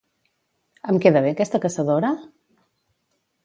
Em queda bé aquesta caçadora?